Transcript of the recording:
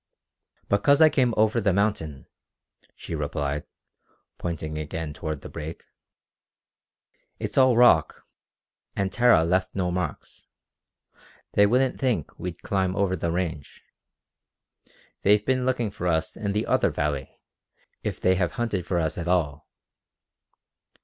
"Because I came over the mountain," she replied, pointing again toward the break. "It's all rock, and Tara left no marks. They wouldn't think we'd climb over the range. They've been looking for us in the other valley if they have hunted for us at all.